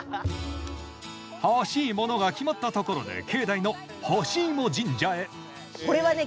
欲しいものが決まったところで境内のほしいも神社へこれはね